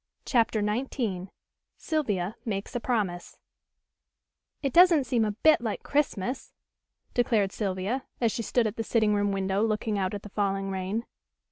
CHAPTER XIX SYLVIA MAKES A PROMISE "It doesn't seem a bit like Christmas," declared Sylvia, as she stood at the sitting room window looking out at the falling rain.